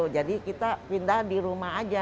jadi kita pindah di rumah aja